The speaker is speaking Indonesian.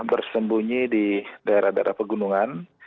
bersembunyi di daerah daerah pegunungan